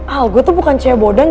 al gue tuh bukan cewek bodang